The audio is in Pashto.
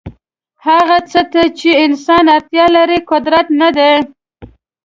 هغه څه ته چې انسان اړتیا لري قدرت نه دی.